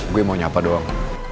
gue mau nyapa doang